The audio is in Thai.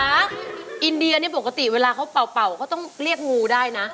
อินเดียนี่ปกติเวลาเขาเป่าเขาต้องเรียกงูได้นะ